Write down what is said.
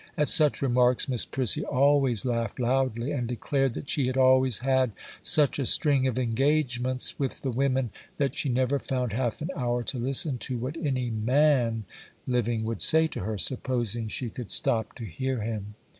At such remarks, Miss Prissy always laughed loudly, and declared that she had always had such a string of engagements with the women that she never found half an hour to listen to what any man living would say to her, supposing she could stop to hear him.